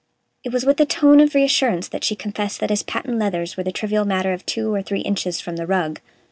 It was with a tone of reassurance that she confessed that his patent leathers were the trivial matter of two or three inches from the rug.